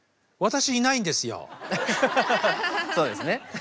そうですね。